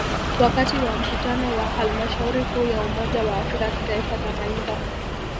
Wakati wa Mkutano wa Halmashauri Kuu ya umoja wa afrika kitaifa Tanganyika